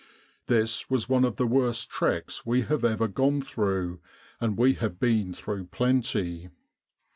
This was one of the worst treks we have ever gone through, and we have been through plenty.